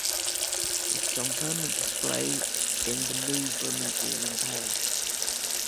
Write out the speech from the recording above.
It is on permanent display in the Louvre museum in Paris.